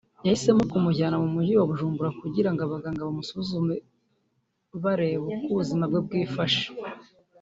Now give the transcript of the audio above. yahisemo kumujyana mu mujyi wa Bujumbura kugira ngo abaganga bamusuzume barebe uko ubuzima bwifashe